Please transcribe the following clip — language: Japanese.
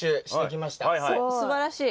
すばらしい。